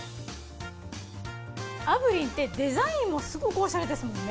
炙輪ってデザインもすごくおしゃれですもんね。